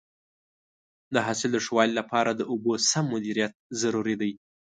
د حاصل د ښه والي لپاره د اوبو سم مدیریت ضروري دی.